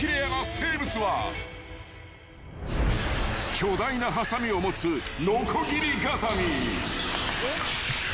［巨大なはさみを持つノコギリガザミ］